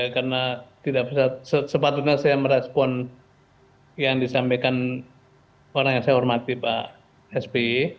karena tidak sepatutnya saya merespon yang disampaikan orang yang saya hormati pak spi